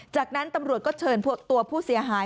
จากนั้นตำรวจก็เชิญตัวผู้เสียหาย